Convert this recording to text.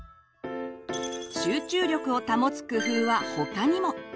集中力を保つ工夫は他にも。